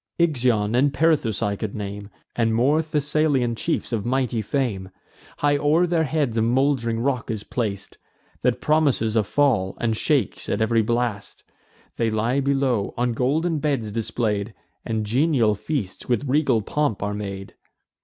Ixion and Perithous I could name, And more Thessalian chiefs of mighty fame. High o'er their heads a mould'ring rock is plac'd, That promises a fall, and shakes at ev'ry blast. They lie below, on golden beds display'd; And genial feasts with regal pomp are made.